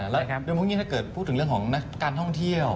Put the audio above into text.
แล้วโดยพวกนี้ถ้าเกิดพูดถึงเรื่องของการท่องเที่ยว